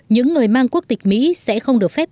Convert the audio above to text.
những người mang quốc tịch mỹ sẽ không được phép